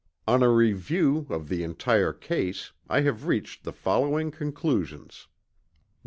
On a review of the entire case I have reached the following conclusions: 1.